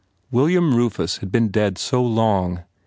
William Rufus had been dead so long.